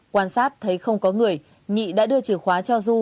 quan sát thấy không có người nghị đã đưa chìa khóa cho du